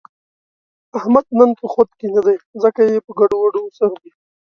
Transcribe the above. احمد نن په خود کې نه دی، ځکه یې په ګډوډو سر دی.